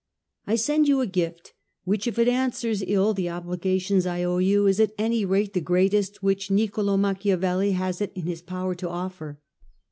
I send you a gift, which if it answers ill the obligations I owe you, is at any rate the greatest which Niccolò Machiavelli has it in his power to offer.